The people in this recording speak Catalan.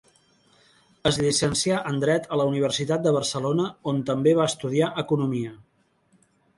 Es llicencià en dret a la Universitat de Barcelona, on també va estudiar economia.